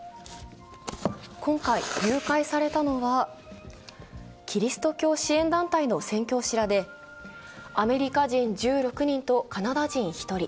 今回、誘拐されたのはキリスト教支援団体の宣教師らでアメリカ人１６人とカナダ人１人。